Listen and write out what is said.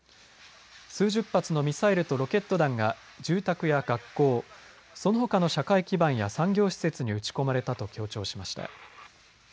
数十発のミサイルとロケット弾が住宅や学校、そのほかの社会基盤や産業施設に撃ち込まれたと強調しました。